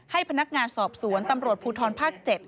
ให้พนักงานสอบสวนตำรวจภูทรภาค๗